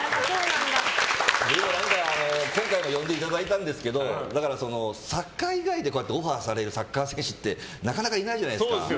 今回も呼んでいただいたんですけどサッカー以外でオファーされるサッカー選手ってなかなかいないじゃないですか。